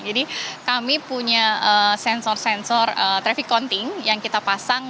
jadi kami punya sensor sensor traffic counting yang kita pasang